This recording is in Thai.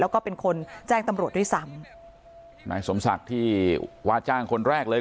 แล้วก็เป็นคนแจ้งตำรวจด้วยซ้ำนายสมศักดิ์ที่ว่าจ้างคนแรกเลย